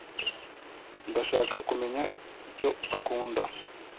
Ndashaka kumenya icyo akunda.